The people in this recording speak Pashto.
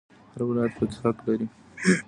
هر ولایت پکې حق لري